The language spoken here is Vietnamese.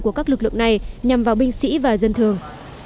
của các lực lượng này nhằm vào binh sĩ và dân thường